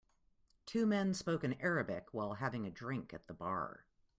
Two men spoke in Arabic while having a drink at the bar.